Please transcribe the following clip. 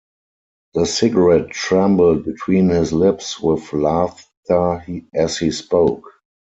The cigarette trembled between his lips with laughter as he spoke.